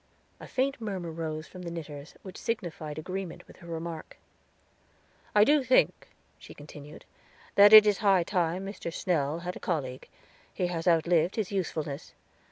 A faint murmur rose from the knitters, which signified agreement with her remark. "I do think," she continued, "that it is high time Dr. Snell had a colleague; he has outlived his usefulness.